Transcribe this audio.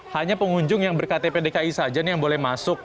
hanya pengunjung yang berkata pdki saja yang boleh masuk